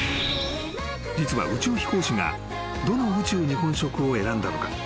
［実は宇宙飛行士がどの宇宙日本食を選んだのか？］